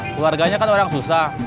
keluarganya kan orang susah